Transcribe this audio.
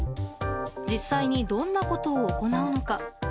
実際にどんなことを行うのか。